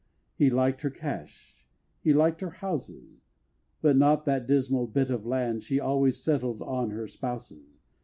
He liked her cash, he liked her houses, But not that dismal bit of land She always settled on her spouses.